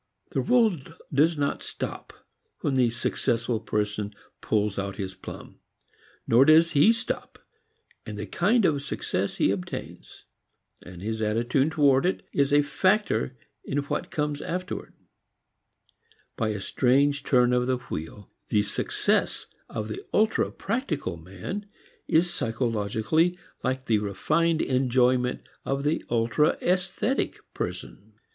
The world does not stop when the successful person pulls out his plum; nor does he stop, and the kind of success he obtains, and his attitude toward it, is a factor in what comes afterwards. By a strange turn of the wheel, the success of the ultra practical man is psychologically like the refined enjoyment of the ultra esthetic person.